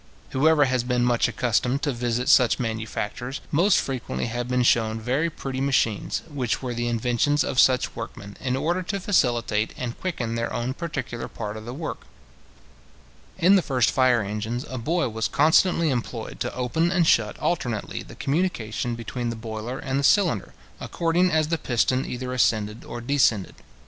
Whoever has been much accustomed to visit such manufactures, must frequently have been shewn very pretty machines, which were the inventions of such workmen, in order to facilitate and quicken their own particular part of the work. In the first fire engines {this was the current designation for steam engines}, a boy was constantly employed to open and shut alternately the communication between the boiler and the cylinder, according as the piston either ascended or descended.